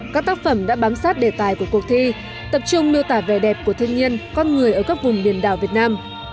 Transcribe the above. các tác phẩm đã bám sát đề tài của cuộc thi tập trung miêu tả vẻ đẹp của thiên nhiên con người ở các vùng biển đảo việt nam